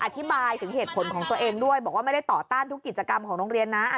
อธิบายถึงเหตุผลของตัวเองด้วยบอกว่าไม่ได้ต่อต้านทุกกิจกรรมของโรงเรียนนะ